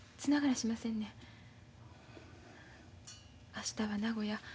明日は名古屋